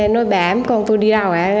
nói bẹ ảm con tôi đi đâu ảm